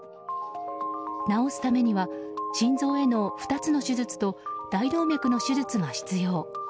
治すためには心臓への２つの手術と大動脈の手術が必要。